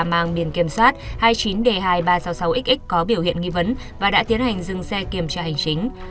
mang biển kiểm sát hai mươi chín d hai nghìn ba trăm sáu mươi sáu x có biểu hiện nghi vấn và đã tiến hành dừng xe kiểm tra hành chính